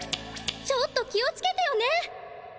ちょっと気をつけてよね。